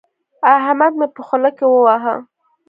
احمد مې په خوله کې وواهه.